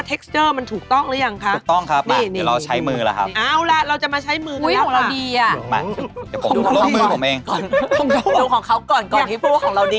ต้องดูของเค้าก่อนก่อนที่พูดว่าของเราดี